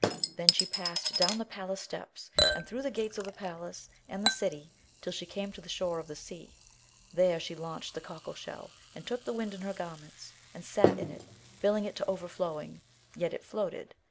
Then she passed down the palace steps, and through the gates of the palace and the city, till she came to the shore of the sea; there she launched the cockle shell and took the wind in her garments, and sat in it, filling it to overflowing, yet it floated.